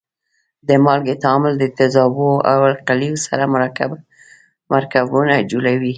د مالګې تعامل د تیزابو او القلیو سره مرکبونه جوړوي.